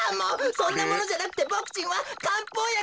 そんなものじゃなくてボクちんはかんぽうやくがほしいのです。